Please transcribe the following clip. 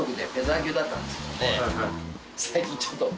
最近ちょっと。